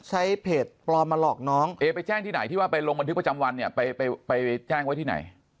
ใช้เพจปลอมมาหลอกน้องเอไปแจ้งที่ไหนที่ว่าไปลงบันทึกประจำวันเนี่ยไปไปแจ้งไว้ที่ไหน